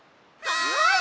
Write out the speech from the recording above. はい！